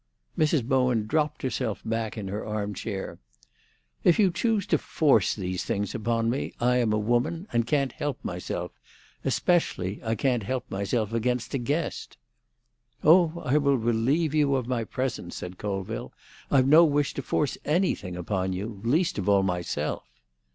Mrs. Bowen dropped herself back in her armchair. "If you choose to force these things upon me, I am a woman, and can't help myself. Especially, I can't help myself against a guest." "Oh, I will relieve you of my presence," said Colville. "I've no wish to force anything upon you—least of all myself."